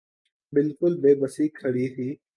بالکل بے بس کھڑی تھی۔